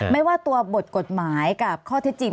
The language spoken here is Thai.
ไม่ว่าตัวบทกฎหมายกับข้อเท็จจริง